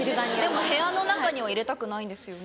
でも部屋の中には入れたくないんですよね？